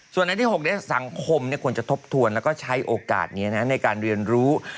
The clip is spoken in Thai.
ส่วนอันที่๖สังคมควรจะทบทวนแล้วก็ใช้โอกาสนี้ในการเรียนรู้